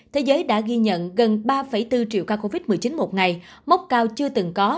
thế giới đã ghi nhận gần ba bốn triệu ca covid một mươi chín một ngày mốc cao chưa từng có